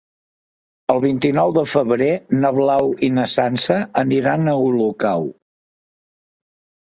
El vint-i-nou de febrer na Blau i na Sança aniran a Olocau.